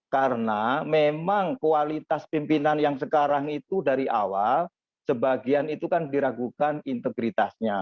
karena memang kualitas pimpinan yang sekarang itu dari awal sebagian itu kan diragukan integritasnya